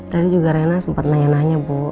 tadi juga rena sempat nanya nanya bu